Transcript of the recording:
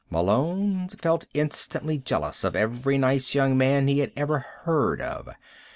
Malone felt instantly jealous of every nice young man he had ever even heard of.